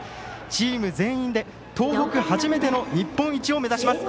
チーム全員で東北初めての日本一を目指します。